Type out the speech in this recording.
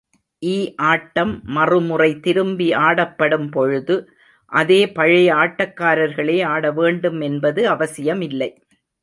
ஈ ஆட்டம் மறுமுறை திரும்பி ஆடப்படும் பொழுது, அதே பழைய ஆட்டக்காரர்களே ஆட வேண்டும் என்பது அவசியமில்லை.